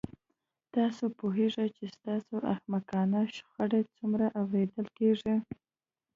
تاسو پوهیږئ چې ستاسو احمقانه شخړه څومره اوریدل کیږي